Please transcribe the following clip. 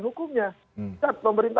hukumnya pemerintah berdasarkan